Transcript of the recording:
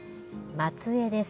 松江です。